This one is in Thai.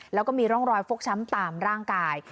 แล้วก็มีร่องรอยฟกช้ำตามร่างกาย